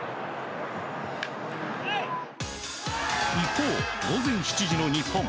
一方、午前７時の日本。